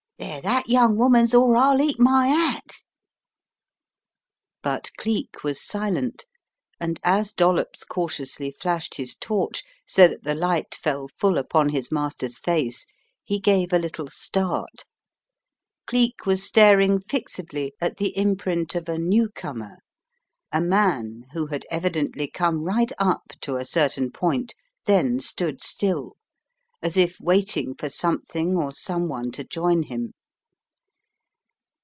They're that young woman's or I'll eat my 'at!" But Cleek was silent, and as Dollops cautiously flashed his torch so that the light fell full upon his master's face, he gave a little start. Cleek was staring fixedly at the imprint of a newcomer, a man who had evidently come right up to a certain point, then stood still, as if waiting for something or someone to join him.